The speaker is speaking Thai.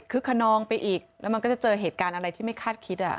คนนองไปอีกแล้วมันก็จะเจอเหตุการณ์อะไรที่ไม่คาดคิด